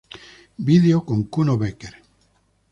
Video con Kuno Becker